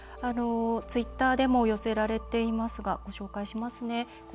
ツイッターでも寄せられていますがご紹介しますね。